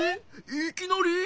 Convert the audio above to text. いきなり？